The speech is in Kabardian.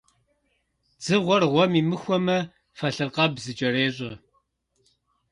Дзыгъуэр гъуэм имыхуэмэ, фэлъыркъэб зыкӀэрещӀэ.